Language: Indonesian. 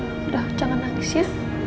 udah jangan nangis ya